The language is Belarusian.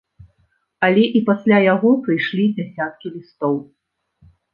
Але і пасля яго прыйшлі дзясяткі лістоў.